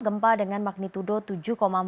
gempa dengan magnitudo tujuh empat